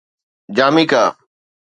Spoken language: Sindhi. جاميڪا